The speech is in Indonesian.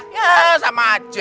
ya sama aja